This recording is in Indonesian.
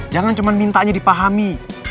jangan cuma mintanya dipahami